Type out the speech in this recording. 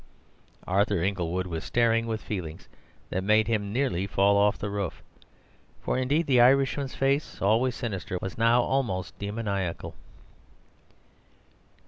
Arthur Inglewood was staring with feelings that made him nearly fall off the roof, for indeed the Irishman's face, always sinister, was now almost demoniacal.